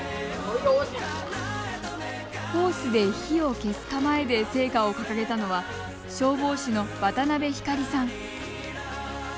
ホースで火を消す構えで聖火を掲げたのは消防士の渡邉晃里さん。